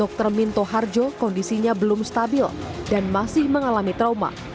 dr minto harjo kondisinya belum stabil dan masih mengalami trauma